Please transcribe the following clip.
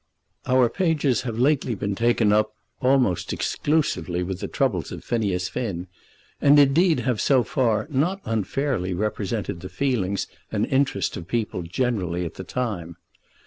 Our pages have lately been taken up almost exclusively with the troubles of Phineas Finn, and indeed have so far not unfairly represented the feelings and interest of people generally at the time.